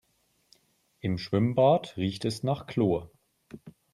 Im Schwimmbad riecht es nach Chlor.